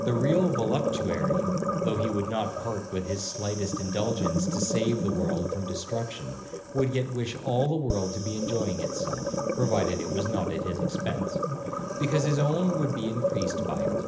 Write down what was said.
The real voluptuary, though he would not part with his slightest indulgence to save the world from destruction, would yet wish all the world to be enjoying itself, (provided it was not at his expence), because his own would be increased by it.